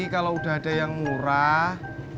kalau udah ada yang murah